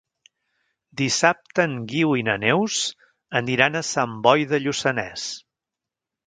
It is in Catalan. Dissabte en Guiu i na Neus aniran a Sant Boi de Lluçanès.